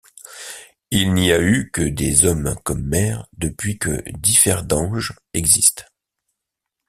Il n’y a eu que des hommes comme maire depuis que Differdange existe.